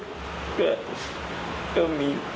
ก็ก็ก็มี